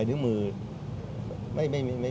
หมอบรรยาหมอบรรยาหมอบรรยาหมอบรรยา